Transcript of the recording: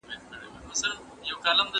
ګلالۍ په کور کې کار کوي.